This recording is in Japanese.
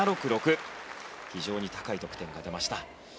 非常に高い得点が出ました。